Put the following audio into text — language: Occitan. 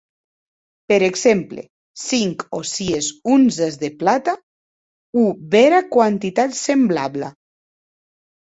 Per exemple, cinc o sies onzes de plata o bèra quantitat semblabla.